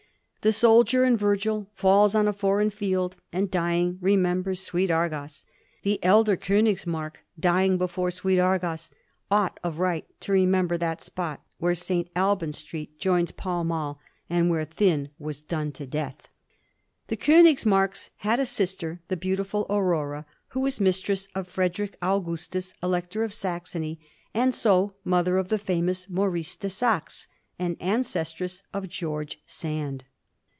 The soldier in Virgil falls on a foreign field, and dying remembers sweet Argos. The elder Konigsmark dying before sweet Argos, ought of right to remember that spot where St. Albans Street joins Pall Mall, and where Thynne was done to death. The Konigsmarks had a sister, the beautiful Aurora, who was mistress of Frederick Augustus, Elector of Saxony, and so mother of the famous Maurice de Saxe, and ancestress of George Sand.